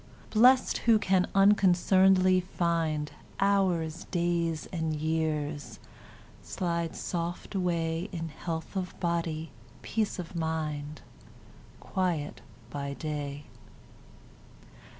Blest, who can unconcern'dly find Hours, days, and years, slide soft away In health of body, peace of mind, Quiet by day.